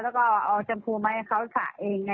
แล้วก็เอาชมพูมาให้เขาฉะเอง